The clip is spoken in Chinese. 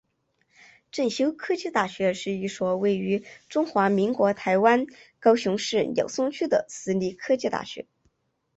正修科技大学是一所位于中华民国台湾高雄市鸟松区的私立科技大学。